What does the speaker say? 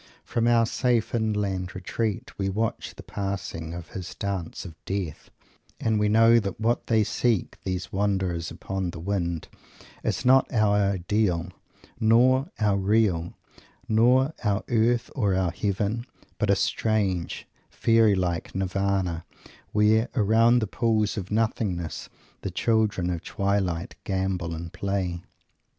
From our safe inland retreat we watch the passing of his Dance of Death, and we know that what they seek, these wanderers upon the wind, is not our Ideal nor our Real, not our Earth or our Heaven, but a strange, fairy like Nirvana, where, around the pools of Nothingness, the children of twilight gambol and play.